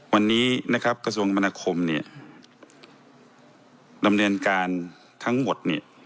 วันนี้กระทรวงคำนาคมดำเนินการทั้งหมด